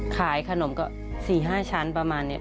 ขายขนมก็๔๕ชั้นประมาณนี้